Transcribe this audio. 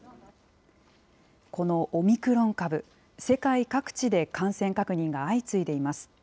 このオミクロン株、世界各地で感染確認が相次いでいます。